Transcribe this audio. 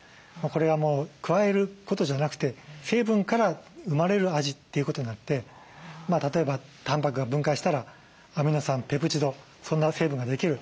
これは加えることじゃなくて成分から生まれる味ということになって例えばたんぱくが分解したらアミノ酸ペプチドそんな成分ができる。